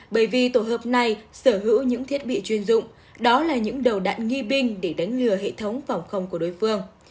bởi vì tổ hợp này sở hữu những thiết bị chuyên dụng đó là những đầu đạn nghi binh để đánh lừa hệ thống phòng không của đối phương